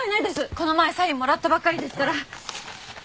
この前サインもらったばっかりですから。